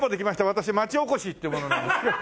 私町おこしっていう者なんですけど。